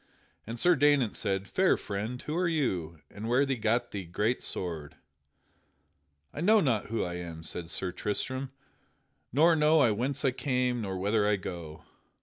And Sir Daynant said, "Fair friend, who are you, and where gat ye that sword?" "I know not who I am," said Sir Tristram, "nor know I whence I came nor whither I go.